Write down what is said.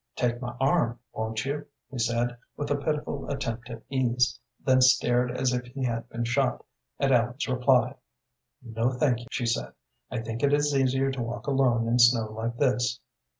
"Take my arm, won't you?" he said, with a pitiful attempt at ease, then stared as if he had been shot, at Ellen's reply. "No, thank you," she said. "I think it is easier to walk alone in snow like this."